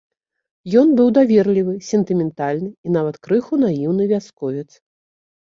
Ён быў даверлівы, сентыментальны, і нават крыху наіўны вясковец.